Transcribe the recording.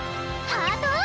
ハートを！